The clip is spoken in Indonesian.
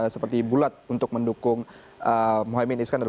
seperti bulat untuk mendukung mohaimin iskandar